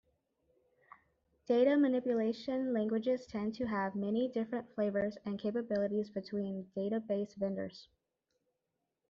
Data manipulation languages tend to have many different flavors and capabilities between database vendors.